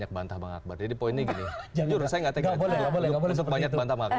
jadi gini mbak sebetulnya saya jujur saya requiring bang akbar tapi justru saya gak tega untuk banyak bantah bang akbar